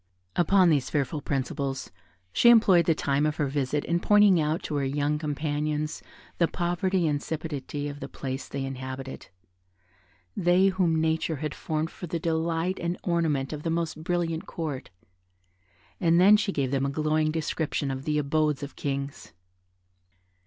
Upon these fearful principles, she employed the time of her visit in pointing out to her young companions the poverty and insipidity of the place they inhabited; they, whom nature had formed for the delight and ornament of the most brilliant Court; and then she gave them a glowing description of the abodes of kings.